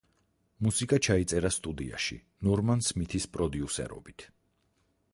მუსიკა ჩაიწერა სტუდიაში ნორმან სმითის პროდიუსერობით.